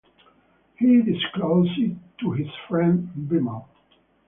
He discloses it to his friend Bimal.